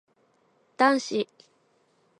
男子